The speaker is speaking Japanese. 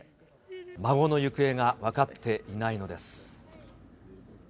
孫の行方が分かっていないのです。